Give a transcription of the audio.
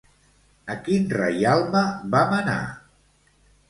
A quin reialme va manar?